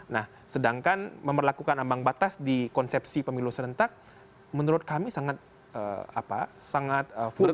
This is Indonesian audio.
nah sedangkan memperlakukan ambang batas di konsepsi pemilu serentak menurut kami sangat full